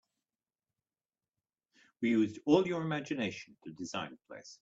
We used all your imgination to design the place.